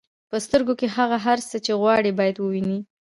په سترګو کې هغه هر څه چې غواړئ باید ووینئ.